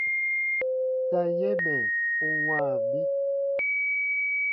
Sa yɛ̃ mɛ̀ u wãa mi.